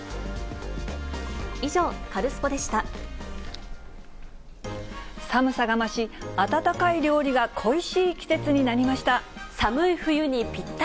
以上、寒さが増し、温かい料理が恋しい季節になりました。